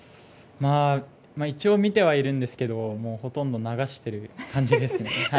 一応見てはいるんですけどほとんど流してる感じですね。